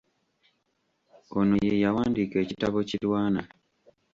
Ono ye yawandiika ekitabo Kirwana.